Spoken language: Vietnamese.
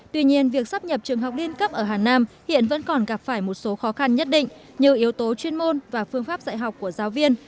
tuy nhiên việc sắp nhập trường học liên cấp ở hà nam hiện vẫn còn gặp phải một số khó khăn nhất định như yếu tố chuyên môn và phương pháp dạy học của giáo viên